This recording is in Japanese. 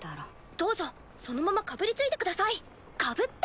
どうぞそのままかぶりついてくださいガブッて。